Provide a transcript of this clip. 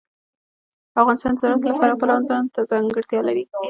افغانستان د زراعت له پلوه ځانته ځانګړتیا لري.